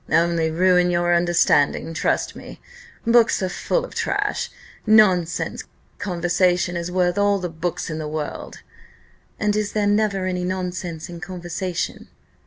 "Only ruin your understanding, trust me. Books are full of trash nonsense, conversation is worth all the books in the world." "And is there never any nonsense in conversation?"